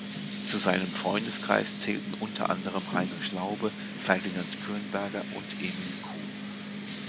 Zu seinem Freundeskreis zählten unter anderem Heinrich Laube, Ferdinand Kürnberger und Emil Kuh.